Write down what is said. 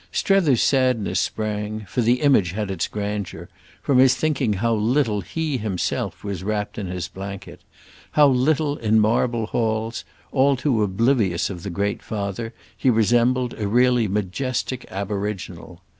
Strether's sadness sprang—for the image had its grandeur—from his thinking how little he himself was wrapt in his blanket, how little, in marble halls, all too oblivious of the Great Father, he resembled a really majestic aboriginal.